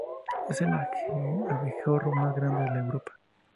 Es el abejorro más grande de Europa.